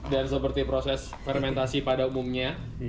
dan seperti proses fermentasi pada umumnya